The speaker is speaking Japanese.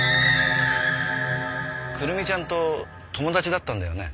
久瑠実ちゃんと友達だったんだよね？